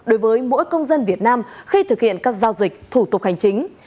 ở công dân việt nam khi thực hiện các giao dịch thủ tục hành chính